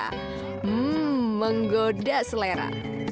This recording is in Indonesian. hmm menggoda selera